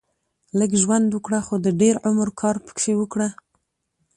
لږ ژوند وګړهٔ خو د دېر عمر کار پکښي وکړهٔ